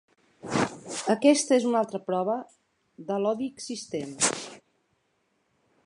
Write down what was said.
Aquesta és una altra prova de l’odi existent.